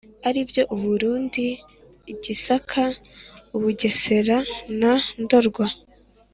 aribyo u Burundi, i Gisaka, u Bugesera na Ndorwa.